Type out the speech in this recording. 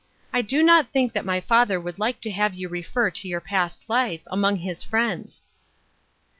"I do not think that my father would like to have you refer to your past life, among his friends."